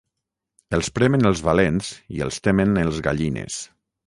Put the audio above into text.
Els premen els valents i els temen els gallines.